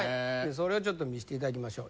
それを見せていただきましょう。